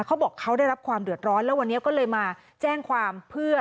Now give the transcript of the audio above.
เขาบอกเขาได้รับความเดือดร้อนแล้ววันนี้ก็เลยมาแจ้งความเพื่อ